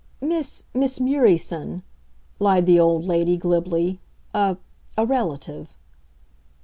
"Miss Miss Murieson," lied the old lady, glibly. "A a relative."